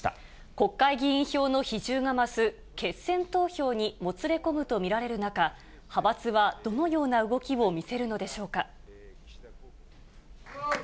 国会議員票の比重が増す決選投票にもつれ込むと見られる中、派閥はどのような動きを見せるのでしょうか。